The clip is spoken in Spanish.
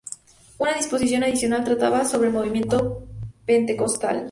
Una disposición adicional trataba sobre el movimiento pentecostal.